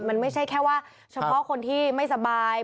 มันไม่ใช่แค่ว่าเฉพาะคนที่ไม่สบาย